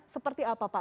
seperti apa pak